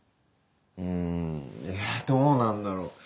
うんどうなんだろう？